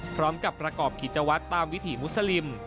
พร้อมกับประกอบกิจวัตรตามวิถีมุสลิม